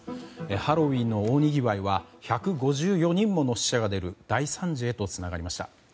ハロウィーンの大にぎわいは１５４人もの死者が出る大惨事へとつながりました。